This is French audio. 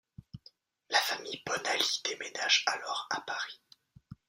La famille Bonaly déménage alors à Paris.